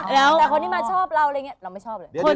แต่คนที่มาชอบเราอะไรอย่างนี้เราไม่ชอบเลย